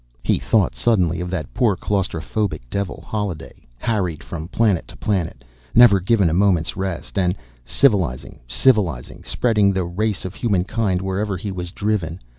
He thought, suddenly, of that poor claustrophobic devil, Holliday, harried from planet to planet, never given a moment's rest and civilizing, civilizing, spreading the race of humankind wherever he was driven.